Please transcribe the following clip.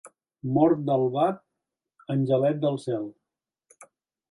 Mort d'albat, angelet del cel.